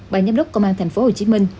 bài nhâm đốc công an tp hcm